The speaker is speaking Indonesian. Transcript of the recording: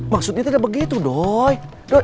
maksudnya tidak begitu doi